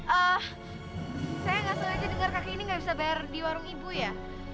eh saya nggak selesai dengar kakek ini nggak bisa bayar di warung ibu ya